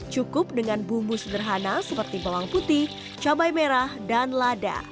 cukup dengan bumbu sederhana seperti bawang putih cabai merah dan lada